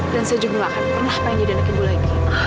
dan saya juga enggak akan pernah paling jadi anak ibu lagi